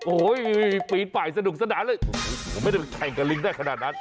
โอ้โหปีนไปสนุกสนานเลยผมไม่ได้ไปแข่งกับลิงได้ขนาดนั้น